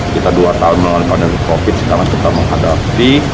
kita dua tahun melawan pandemi covid sekarang kita menghadapi